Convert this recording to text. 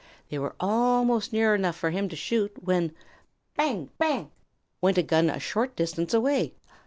They were almost near enough for him to shoot when "bang, bang" went a gun a short distance away.